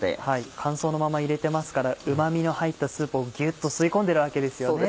乾燥のまま入れてますからうま味の入ったスープをギュっと吸い込んでいるわけですよね。